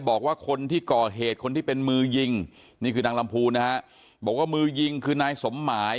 บอกว่าคนที่ก่อเหตุคนที่เป็นมือยิงนี่คือนางลำพูนนะฮะบอกว่ามือยิงคือนายสมหมาย